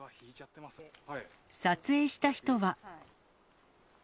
撮影した人は。